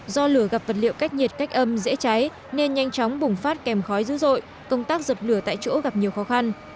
do lửa gặp vật liệu cách nhiệt cách âm dễ cháy nên nhanh chóng bùng phát kèm khói dữ dội công tác dập lửa tại chỗ gặp nhiều khó khăn